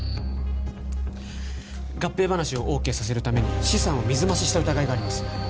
合併話をＯＫさせるために資産を水増しした疑いがあります